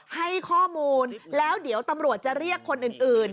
ให้ข้อมูลแล้วเดี๋ยวตำรวจจะเรียกคนอื่น